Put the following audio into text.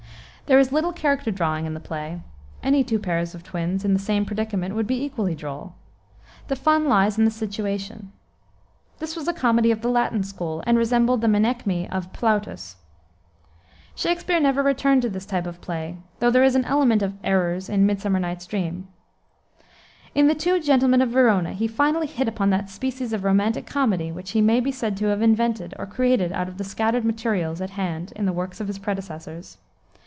There is little character drawing in the play. Any two pairs of twins, in the same predicament, would be equally droll. The fun lies in the situation. This was a comedy of the Latin school, and resembled the Menaechmi of Plautus. Shakspere never returned to this type of play, though there is an element of "errors" in Midsummer Night's Dream. In the Two Gentlemen of Verona he finally hit upon that species of romantic comedy which he may be said to have invented or created out of the scattered materials at hand in the works of his predecessors.